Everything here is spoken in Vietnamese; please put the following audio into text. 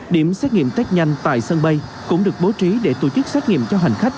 điểm xét nghiệm test nhanh tại sân bay cũng được bố trí để tổ chức xét nghiệm cho hành khách